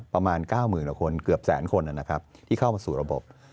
ประมาณก้าวหมื่นหลักคนเกือบแสนคนนะครับที่เข้ามาสู่ระบบ